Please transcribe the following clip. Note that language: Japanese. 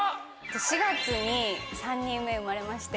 ４月に３人目生まれまして。